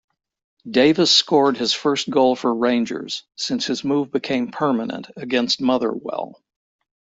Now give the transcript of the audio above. Davis scored his first goal for Rangers, since his move became permanent, against Motherwell.